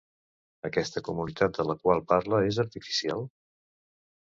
Aquesta comunitat de la qual parla és artificial?